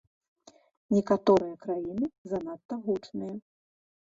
Некаторыя краіны занадта гучныя.